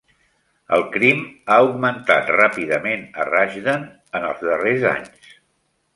El crim ha augmentat ràpidament a Rushden en els darrers anys.